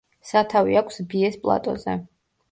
სათავე აქვს ბიეს პლატოზე.